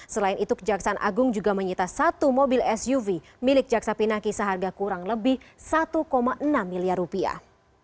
selain itu kejaksaan agung juga menyita satu mobil suv milik jaksa pinaki seharga kurang lebih satu enam miliar rupiah